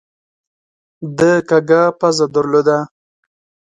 ده کږه پزه درلوده.